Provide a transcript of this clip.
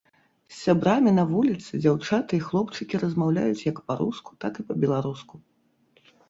З сябрамі на вуліцы дзяўчаты і хлопчыкі размаўляюць як па-руску, так і па-беларуску.